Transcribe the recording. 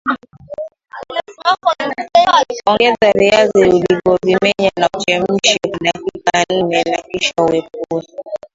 Ongeza viazi ulivyomenya na uchemshe kwa dakika nne na kisha uepue